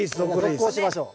続行しましょう。